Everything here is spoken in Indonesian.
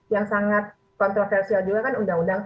yang sangat kontroversial juga kan undang undang